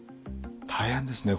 大変ですね。